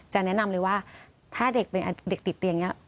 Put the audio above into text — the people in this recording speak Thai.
จะแนะนำเลยว่าถ้าเด็กติดเตียงอย่างนี้